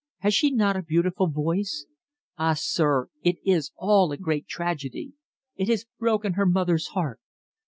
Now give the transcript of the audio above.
Has she not a beautiful voice? Ah, sir it is all a great tragedy! It has broken her mother's heart.